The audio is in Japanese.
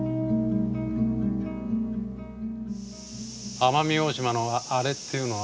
奄美大島のあれっていうのは？